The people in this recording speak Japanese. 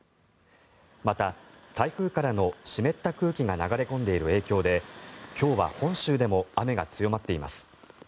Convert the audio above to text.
また、台風からの湿った空気が流れ込んでいる影響で今日は本州でも雨が強まっています。